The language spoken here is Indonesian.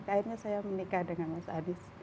akhirnya saya menikah dengan mas adis